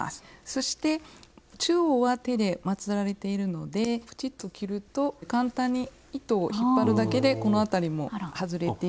そして中央は手でまつられているのでプチっと切ると簡単に糸を引っ張るだけでこの辺りも外れていきます。